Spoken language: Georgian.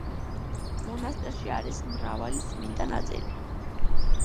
მონასტერში არის მრავალი წმინდა ნაწილი.